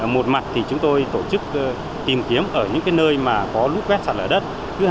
một mặt thì chúng tôi tổ chức tìm kiếm ở những cái nơi mà có lút vét sẵn ở đất